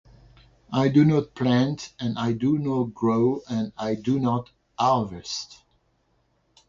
I do not plant, and I do not grow, and I do not harvest.